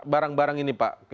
barang barang ini pak